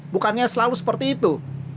bukannya selalu seperti itu